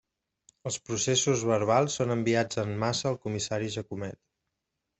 Els processos verbals són enviats en massa al comissari Jacomet.